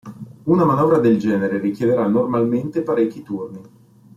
Una manovra del genere richiederà normalmente parecchi turni.